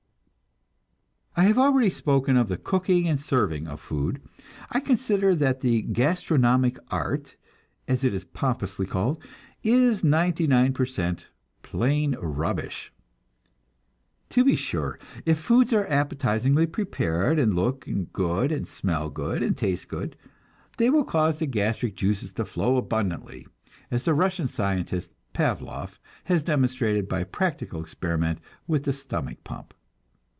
I have already spoken of the cooking and serving of food. I consider that the "gastronomic art," as it is pompously called, is ninety nine per cent plain rubbish. To be sure, if foods are appetizingly prepared, and look good and smell good and taste good, they will cause the gastric juices to flow abundantly, as the Russian scientist Pavlov has demonstrated by practical experiment with the stomach pump.